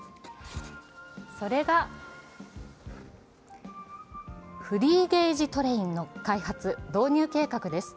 それが、フリーゲージトレインの開発・導入計画です。